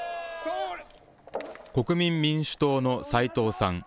国民民主党の斎藤さん。